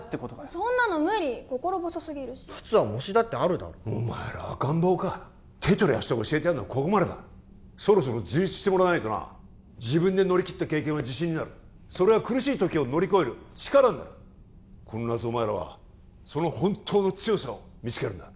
そんなの無理心細すぎるし夏は模試だってあるだろお前ら赤ん坊か手取り足取り教えてやんのはここまでだそろそろ自立してもらわないとな自分で乗り切った経験は自信になるそれは苦しい時を乗り越える力になるこの夏お前らはその本当の強さを見つけるんだ